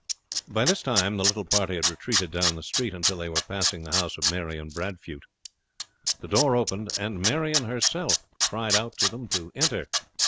By this time the little party had retreated down the street until they were passing the house of Marion Bradfute. The door opened, and Marion herself cried to them to enter.